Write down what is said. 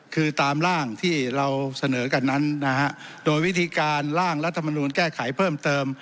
คือตามร่างที่เราเสนอกันนั้นนะฮะโดยวิธีการล่างรัฐมนูลแก้ไขเพิ่มเติม